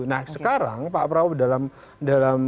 nah sekarang pak prabowo dalam